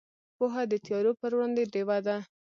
پوهه د تیارو پر وړاندې ډیوه ده.